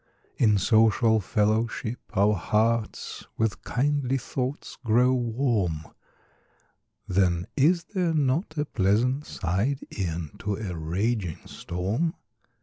In social fellowship, our hearts With kindly thoughts grow warm; Then is there not a pleasant side, E'en to a raging storm?